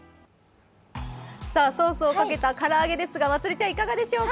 ソースをかけた唐揚げですがまつりちゃんいかがでしょうか。